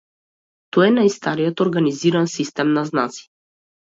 Тоа е најстариот организиран систем на знаци.